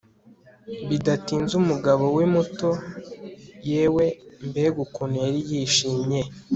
bidatinze, umugabo we muto (yewe! mbega ukuntu yari yishimye